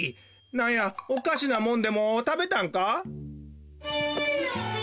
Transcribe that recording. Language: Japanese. なんやおかしなもんでもたべたんか？